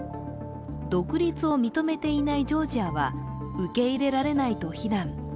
独立を認めていないジョージアは受け入れられないと非難。